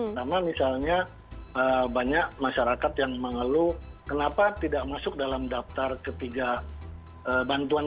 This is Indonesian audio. sama misalnya banyak masyarakat yang mengeluh kenapa tidak masuk dalam daftar ketiga bantuan